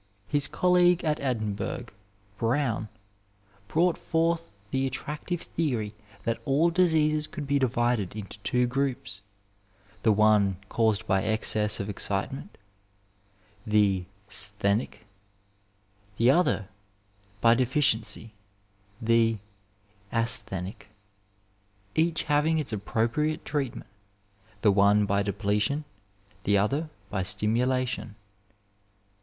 His colleague at Edin burgh, Brown, brought forward the attractive theory that all diseases could be divided into two groups, the one caused by excess of excitement — ^the sthenic — ^the other , by deficiency — ^the asthenic — each having its appropriate treatment, the one by depletion, the other by stimulation.